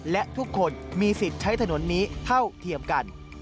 และทุกคนมีสิทธิ์ใช้ถนนนี้เท่าเทียมกัน